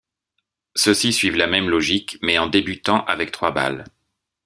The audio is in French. Ceux-ci suivent la même logique mais en débutant avec trois balles.